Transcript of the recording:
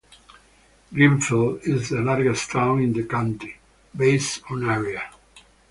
Greenfield is the largest town in the county, based on area.